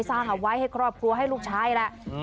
สร้างเงินแหวะให้ครอบครัวให้ลูกชายแล้ว